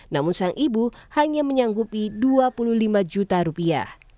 namun sang ibu hanya menyanggupi dua puluh lima juta rupiah